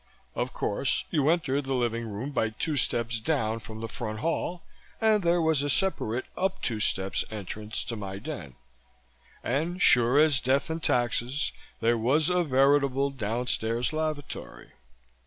Of course, you entered the living room by two steps down from the front hall and there was a separate up two steps entrance to my den. And sure as death and taxes, there was a veritable downstairs lavatory.